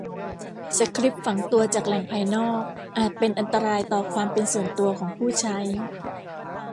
สคริปต์ฝังตัวจากแหล่งภายนอกอาจเป็นอันตรายต่อความเป็นส่วนตัวของผู้ใช้